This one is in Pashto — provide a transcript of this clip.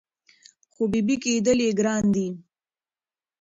خو بېبي کېدل یې ګران دي